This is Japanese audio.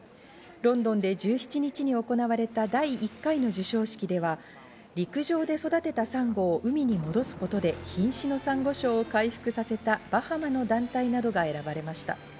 ロンドンで１７日に行われた第１回の授賞式では、陸上で育てたサンゴを海に戻すことで瀕死のサンゴ礁を回復させたバハマの団体などが選ばれました。